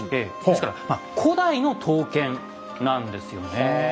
ですからまあ古代の刀剣なんですよね。